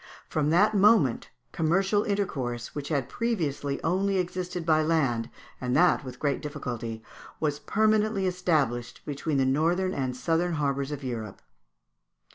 From that moment commercial intercourse, which had previously only existed by land, and that with great difficulty, was permanently established between the northern and southern harbours of Europe.